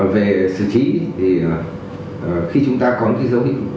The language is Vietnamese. về xử trí